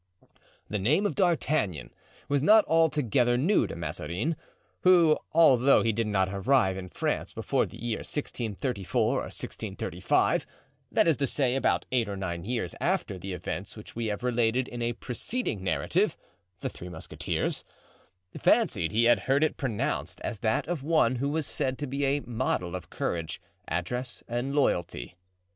The name of D'Artagnan was not altogether new to Mazarin, who, although he did not arrive in France before the year 1634 or 1635, that is to say, about eight or nine years after the events which we have related in a preceding narrative, * fancied he had heard it pronounced as that of one who was said to be a model of courage, address and loyalty.